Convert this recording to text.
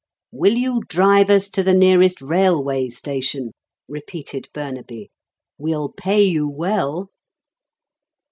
"Will you drive us to the nearest railway station?" repeated Burnaby. "We'll pay you well."